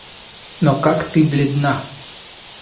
Но как ты бледна!